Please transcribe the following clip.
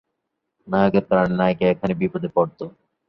নায়কের কারণে নায়িকা এখানে বিপদে পড়ত।